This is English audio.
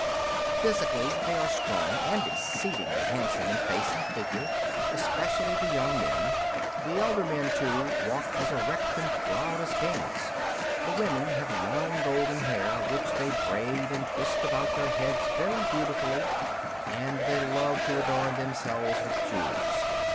Physically they are strong and exceedingly handsome in face and figure, especially the young men; the elder men, too, walk as erect and proud as kings. The women have long golden hair, which they braid and twist about their heads very beautifully, and they love to adorn themselves with jewels.